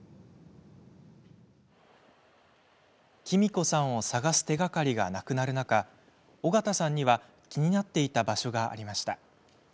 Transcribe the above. きみ子さんを捜す手がかりがなくなる中尾形さんには、気になっていた場所がありました。